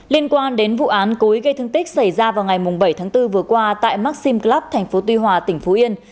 liên quan đến vụ án cố ý gây thương tích xảy ra vào ngày bảy tháng bốn vừa qua tại maxim club tp tuy hòa tỉnh phú yên